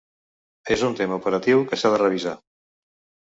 És un tema operatiu que s’ha de revisar.